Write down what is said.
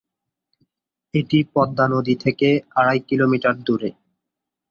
এটি পদ্মা নদী থেকে আড়াই কিলোমিটার দূরে।